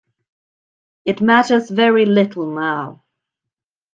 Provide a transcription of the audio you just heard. It matters very little now.